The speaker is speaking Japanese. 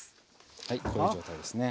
はいこういう状態ですね。